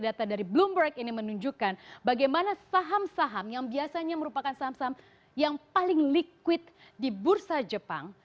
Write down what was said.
data dari bloomberg ini menunjukkan bagaimana saham saham yang biasanya merupakan saham saham yang paling liquid di bursa jepang